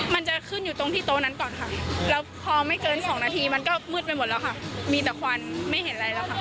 มันจะขึ้นอยู่ตรงที่โต๊ะนั้นก่อนค่ะแล้วพอไม่เกินสองนาทีมันก็มืดไปหมดแล้วค่ะมีแต่ควันไม่เห็นอะไรแล้วค่ะ